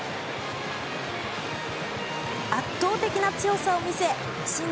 圧倒的な強さを見せ新年